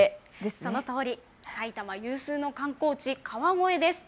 そのとおり、埼玉有数の観光地、川越です。